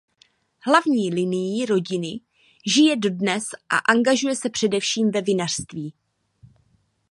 Hlavní linie rodiny žije dodnes a angažuje se především ve vinařství.